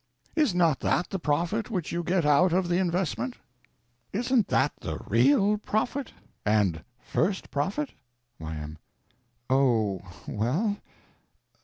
Is not that the profit which you get out of the investment? Isn't that the _real _profits and _first _profit? Y.M. Oh, well?